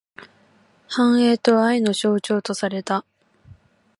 繁栄と愛の象徴とされた。